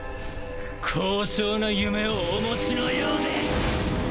高尚な夢をお持ちのようで。